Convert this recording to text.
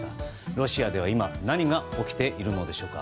ロシアでは今何が起きているのでしょうか。